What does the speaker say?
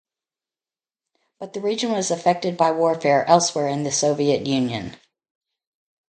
But the region was affected by warfare elsewhere in the Soviet Union.